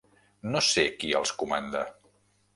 No sé qui els comanda.